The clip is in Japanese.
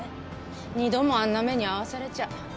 二度もあんな目に遭わされちゃあ。